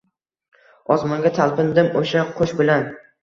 Osmonga talpindim o’sha qush bilan